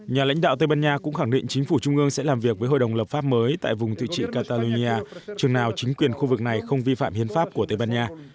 nhà lãnh đạo tây ban nha cũng khẳng định chính phủ trung ương sẽ làm việc với hội đồng lập pháp mới tại vùng tự trị catalinia chừng nào chính quyền khu vực này không vi phạm hiến pháp của tây ban nha